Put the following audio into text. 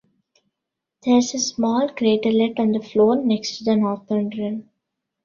There is a small craterlet on the floor next to the northern rim.